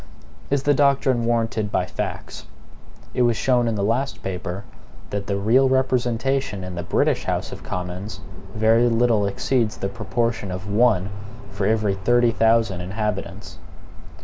Is the doctrine warranted by FACTS? It was shown in the last paper, that the real representation in the British House of Commons very little exceeds the proportion of one for every thirty thousand inhabitants.